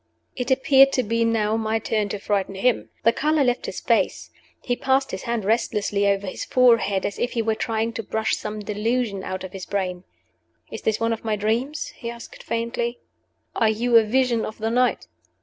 It appeared to be now my turn to frighten him. The color left his face. He passed his hand restlessly over his forehead, as if he were trying to brush some delusion out of his brain. "Is this one of my dreams?" he asked, faintly. "Are you a Vision of the night?"